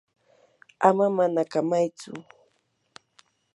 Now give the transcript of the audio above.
ama manakamaychu.